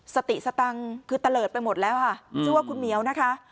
สติสตังค์คือตะเลิศไปหมดแล้วค่ะชื่อว่าคุณเหมียวนะคะ